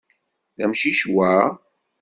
D amcic wa?